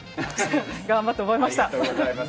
頑張って覚えました。